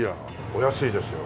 お安いですよ